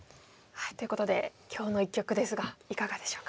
ということで今日の一局ですがいかがでしょうか？